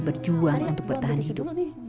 berjuang untuk bertahan hidup